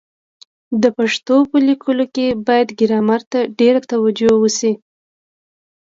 د پښتو په لیکلو کي بايد ګرامر ته ډېره توجه وسي.